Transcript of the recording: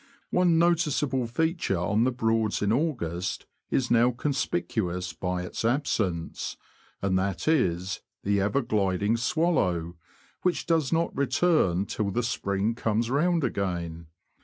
One noticeable feature on the Broads in August is now conspicuous by its absence, and that is, the ever gliding swallow, which does not return till the spring comes round again.